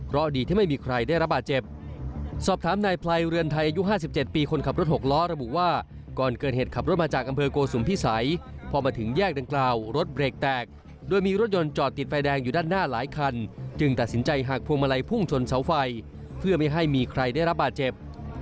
แรกดังกล่าวรถเบรกแตกโดยมีรถยนต์จอดติดไฟแดงอยู่ด้านหน้าหลายคันจึงตัดสินใจหักพวงมาลัยพุ่งชนเสาไฟเพื่อไม่ให้มีใครได้รับบาดเจ็บ